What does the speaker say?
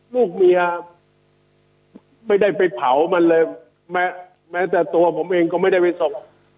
ลูกเมียไม่ได้ไปเผามันเลยแม้แต่ตัวผมเองก็ไม่ได้ไปส่ง